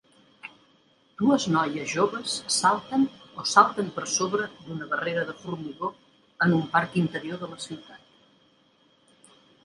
Dues noies joves salten o salten per sobre d'una barrera de formigó en un parc interior de la ciutat.